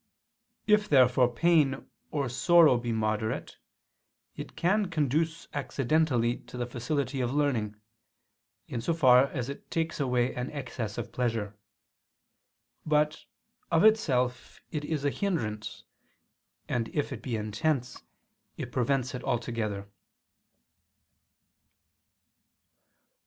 If therefore pain or sorrow be moderate, it can conduce accidentally to the facility of learning, in so far as it takes away an excess of pleasure. But, of itself, it is a hindrance; and if it be intense, it prevents it altogether.